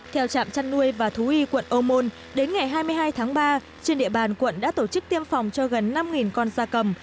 theo trạm chăn nuôi và thú y quận ô môn đến ngày hai mươi hai tháng ba trên địa bàn quận đã tổ chức tiêm phòng cho gần năm con da cầm